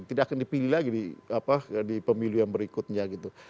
tidak akan dipilih lagi di pemilihan berikutnya gitu